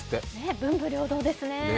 文武両道ですね。